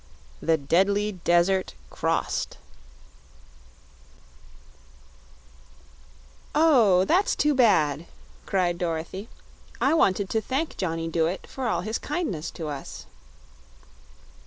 The Deadly Desert Crossed "Oh, that's too bad!" cried Dorothy; "I wanted to thank Johnny Dooit for all his kindness to us."